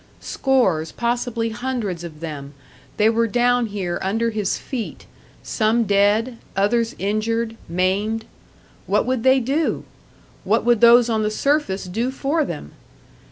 Scores, possibly hundreds of them, they were down here under his feet some dead, others injured, maimed. What would they do? What would those on the surface do for them?